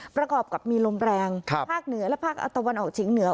ประกอบกับมีลมแรงภาคเหนือและภาคตะวันออกเฉียงเหนือ